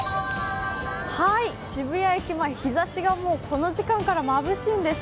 渋谷駅前、日ざしがもうこの時間からまぶしいんです。